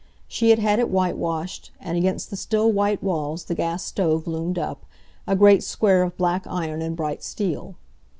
She had had it whitewashed, and against the still white walls the gas stove loomed up, a great square of black iron and bright steel.